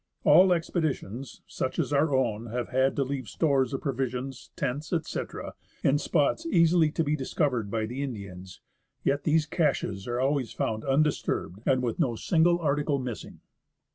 All expeditions, such as our own, have had to leave stores of provisions, tents, etc., in spots easily to be discovered by the Indians; yet these caches are always found undisturbed and with no single article missing.